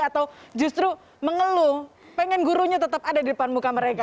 atau justru mengeluh pengen gurunya tetap ada di depan muka mereka